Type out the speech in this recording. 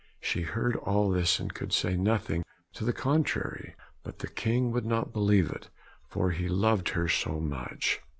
She heard all this and could say nothing to the contrary, but the King would not believe it, for he loved her so much.